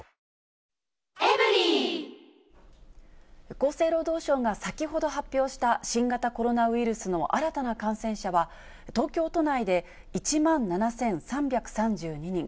厚生労働省が先ほど発表した、新型コロナウイルスの新たな感染者は、東京都内で１万７３３２人。